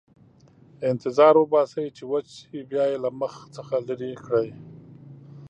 انتظار وباسئ چې وچ شي، بیا یې له مخ څخه لرې کړئ.